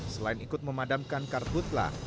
selain ikut memadamkan karhutlah